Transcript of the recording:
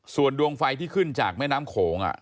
ส่วนดวงไฟที่ขึ้นจากแม่น้ำโขง